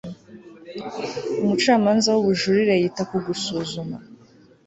Umucamanza w ubujurire yita ku gusuzuma